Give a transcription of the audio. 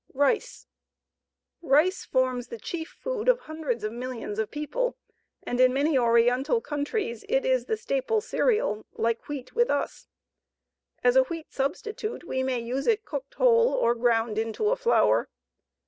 Rice. Rice forms the chief food of hundreds of millions of people, and in many oriental countries is the staple cereal, like wheat with us. As a wheat substitute we may use it cooked whole or ground into a flour.